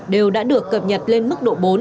đều đã được cập nhật lên mức độ bốn